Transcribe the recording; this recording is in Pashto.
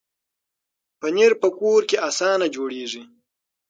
پنېر په کور کې اسانه جوړېږي.